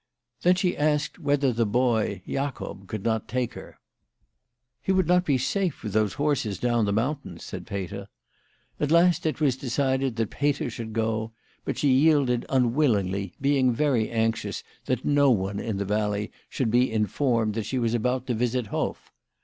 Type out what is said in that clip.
Then she asked whether the boy, Jacob, could not take her. " He would not be safe with those horses down the mountains," said Peter. At last it was decided that Peter should go ; but she yielded unwillingly, being very anxious that no one in the valley should be in WHY FRAU FROHMANK RAISED HER PRICES. 73 formed that she was about to visit Hoff.